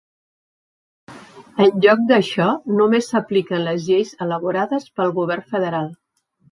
En lloc d'això, només s'apliquen les lleis elaborades pel govern federal.